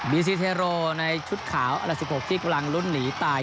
บีซีเทโรในชุดขาว๑๖ที่กำลังรุ้นหนีตาย